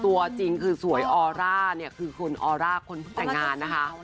ตัวจริงคือสวยออร่าคือคนออร่าคนผู้แต่งงานนะคะ